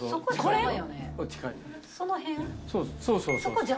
そうそうそう。